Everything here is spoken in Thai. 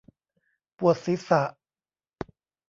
ปวดศีรษะ